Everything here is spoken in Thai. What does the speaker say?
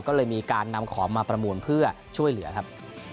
ก็เลยมีการนำของมาประมูลเพื่อช่วยเหลือครับ